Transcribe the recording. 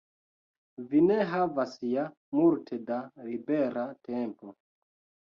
Vi ne havas ja multe da libera tempo.